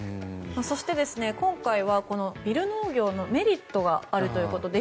そして、今回はビル農業のメリットがあるということで